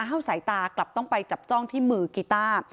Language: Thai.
สายตากลับต้องไปจับจ้องที่มือกีต้า